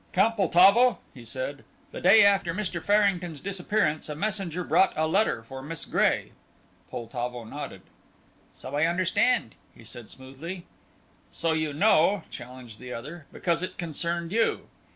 "Count Poltavo," he said, "the day after Mr. Farrington's disappearance a messenger brought a letter for Miss Gray." Poltavo nodded. "So I understand," he said, smoothly. "So you know," challenged the other, "because it concerned you.